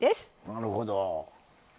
なるほど。